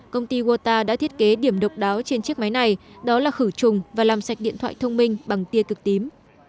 công ty wota đã thiết kế điểm độc đáo trên chiếc máy này đó là khử trùng và làm sạch điện thoại thông minh bằng tia cực tím